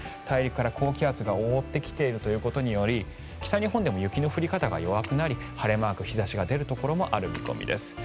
大陸から高気圧が覆ってきているということにより北日本でも雪の降り方が弱くなり晴れマーク日差しが出るところもある見込みです。